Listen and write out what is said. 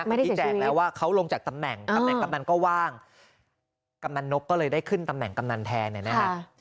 ชี้แจงแล้วว่าเขาลงจากตำแหน่งกำแหนกำนันก็ว่างกำนันนกก็เลยได้ขึ้นตำแหน่งกำนันแทนเนี่ยนะฮะ